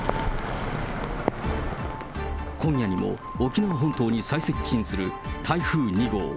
今夜にも沖縄本島に最接近する台風２号。